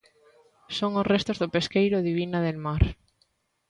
Son os restos do pesqueiro Divina del Mar.